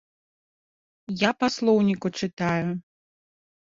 Я па слоўніку чытаю.